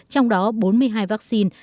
trong đó bốn mươi hai vaccine